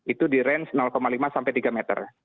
itu di range lima sampai tiga meter